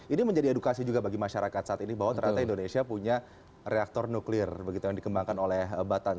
ini menjadi edukasi juga bagi masyarakat saat ini bahwa ternyata indonesia punya reaktor nuklir begitu yang dikembangkan oleh batan